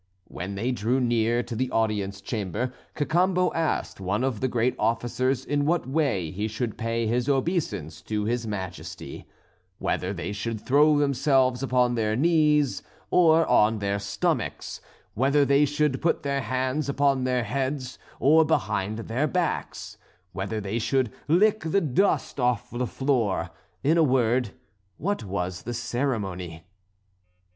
When they drew near to the audience chamber Cacambo asked one of the great officers in what way he should pay his obeisance to his Majesty; whether they should throw themselves upon their knees or on their stomachs; whether they should put their hands upon their heads or behind their backs; whether they should lick the dust off the floor; in a word, what was the ceremony?